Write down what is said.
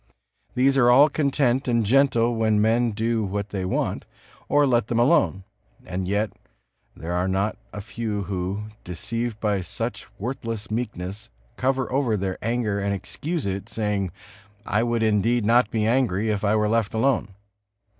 These are all content and gentle when men do what they want, or let them alone; and yet there are not a few who, deceived by such worthless meekness, cover over their anger and excuse it, saying: "I would indeed not be angry, if I were left alone."